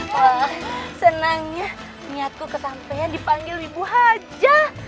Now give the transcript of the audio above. wah senangnya niatku kesampean dipanggil ibu haja